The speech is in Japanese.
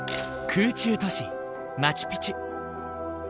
空中都市マチュピチュ。